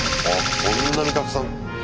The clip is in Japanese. こんなにたくさん。